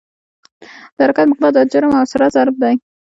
د حرکت مقدار د جرم او سرعت ضرب دی.